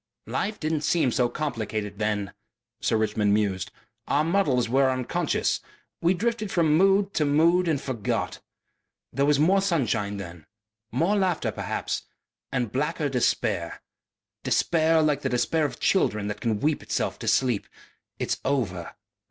"Life didn't seem so complicated then," Sir Richmond mused. "Our muddles were unconscious. We drifted from mood to mood and forgot. There was more sunshine then, more laughter perhaps, and blacker despair. Despair like the despair of children that can weep itself to sleep.... It's over....